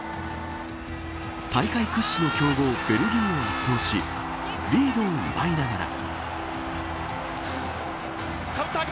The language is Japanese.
大会屈指の強豪ベルギーを圧倒しリードを奪いながら。